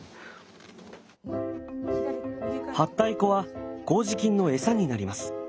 はったい粉は麹菌の餌になります。